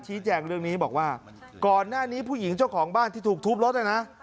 แจ้งเรื่องนี้บอกว่าก่อนหน้านี้ผู้หญิงเจ้าของบ้านที่ถูกทุบรถนะนะ